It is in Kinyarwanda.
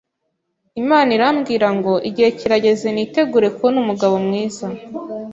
Imana irambwira ngo igihe kirageze nitegure kubona umugabo mwiza